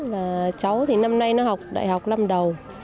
và cháu thì năm nay nó học đại học năm đầu